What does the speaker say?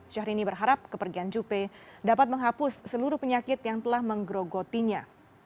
syahrini berharap kepergian juppe dapat menghapus seluruh penyakit yang telah menggerogotinya